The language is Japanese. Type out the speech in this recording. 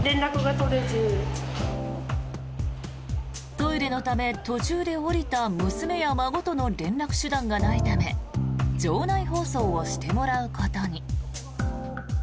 トイレのため、途中で降りた娘や孫との連絡手段がないため場内放送をしてもらうことに。